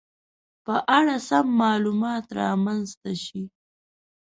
په اړه سم معلومات رامنځته شي